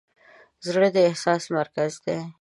زړه د احساس مرکز دی.